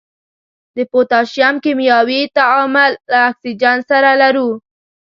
د پوتاشیم کیمیاوي تعامل له اکسیجن سره لرو.